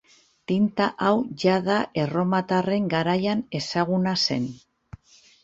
Tinta hau jada erromatarren garaian ezaguna zen.